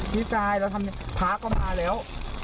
พี่กายเราทำพระก็มาแล้ว